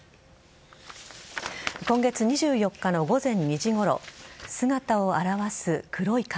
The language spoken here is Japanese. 今月２４日の午前２時ごろ姿を現す黒い影。